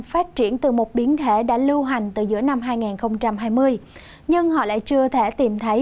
phát triển từ một biến thể đã lưu hành từ giữa năm hai nghìn hai mươi nhưng họ lại chưa thể tìm thấy